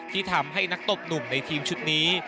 ที่ทำให้นักตบหนุ่มในทีมชุดนี้